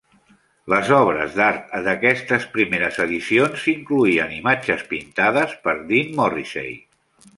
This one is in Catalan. Les obres d'art d'aquestes primeres edicions incloïen imatges pintades per Dean Morrissey.